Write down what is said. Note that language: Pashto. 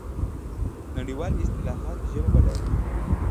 نړیوالې اصطلاحات ژبه بډایه کوي.